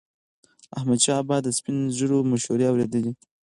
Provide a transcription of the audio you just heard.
احمدشاه بابا به د سپین ږیرو مشورې اورېدلي.